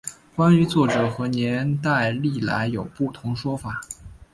关于作者和年代历来有不同说法。